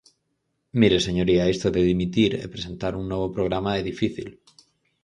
Mire, señoría, isto de dimitir e presentar un novo programa é difícil.